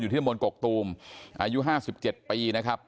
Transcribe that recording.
อยู่ที่ละมนต์กกตูมอายุ๕๗ปีนะครับ